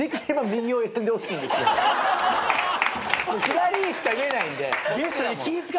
「左！」しか言えないんで。